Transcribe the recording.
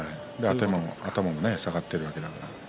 頭も下がっているわけです。